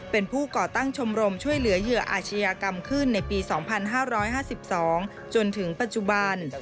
เป็นผู้ก่อตั้งชมรมช่วยเหลือเหยื่ออาชญากรรมขึ้นในปี๒๕๕๒จนถึงปัจจุบัน